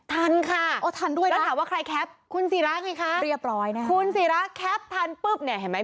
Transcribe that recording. ทันค่ะแล้วถามว่าใครแคปคุณศิราค่ะคุณศิราแคปทันปุ๊บนี่เห็นไหม